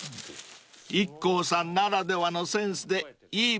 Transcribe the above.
［ＩＫＫＯさんならではのセンスでいい